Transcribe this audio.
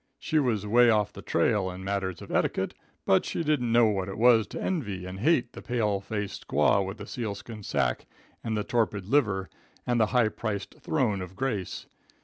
She was way off the trail in matters of etiquette, but she didn't know what it was to envy and hate the pale faced squaw with the sealskin sacque and the torpid liver, and the high priced throne of grace.